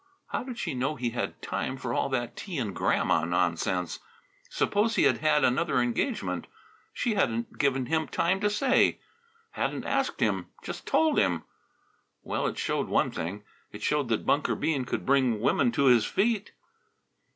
How did she know he had time for all that tea and Grandma nonsense? Suppose he had had another engagement. She hadn't given him time to say. Hadn't asked him; just told him. Well, it showed one thing. It showed that Bunker Bean could bring women to his feet.